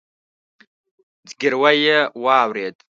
ځګيروی يې واورېد.